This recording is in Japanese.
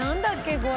これ。